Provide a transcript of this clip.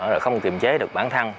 rồi không kiềm chế được bản thân